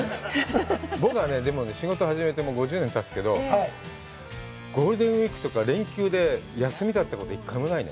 僕はね、でも仕事始めて５０年たつけど、ゴールデンウイークとか連休で休みだったこと、一回もないね。